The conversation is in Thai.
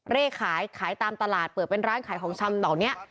เลขขายขายตามตลาดเปิดเป็นร้านขายของชำเหล่านี้